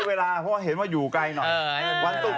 เวลาเพราะว่าเห็นว่าอยู่ไกลหน่อย